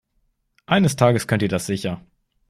Eines Tages könnt ihr das sicher.